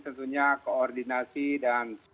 tentunya koordinasi dan